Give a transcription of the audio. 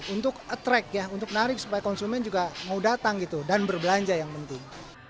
untuk attract ya untuk menarik supaya konsumen juga mau datang gitu dan berbelanja yang penting